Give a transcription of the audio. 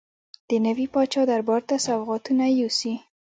د نوي پاچا دربار ته سوغاتونه یوسي.